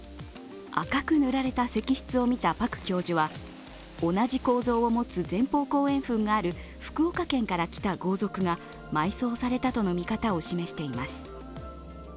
赤く塗られた石室を見たパク教授は同じ構造を持つ前方後円墳がある福岡県から来た豪族が埋葬されたとの見方を示しています。